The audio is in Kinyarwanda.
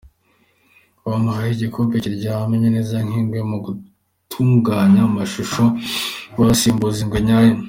Bammuhaye igipupe kiryamye neza nk'ingwe, mu gutunganya amashusho bahasimbuza ingwe nyayo.